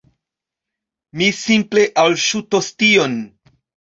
Mi simple alŝutos tion